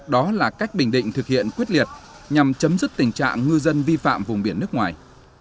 đó là cách bình định thực hiện quyết liệt nhằm chấm dứt tình trạng ngư dân vi phạm vùng biển nước ngoài